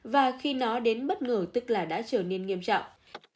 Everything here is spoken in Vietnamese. và khi nó đến bất ngờ tức là đã trở nên nghiêm trọng